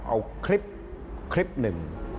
เอาคลิปคลิปหนึ่ง